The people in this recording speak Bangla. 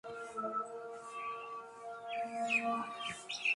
বল, তোমরা বেশি জান, না আল্লাহ্?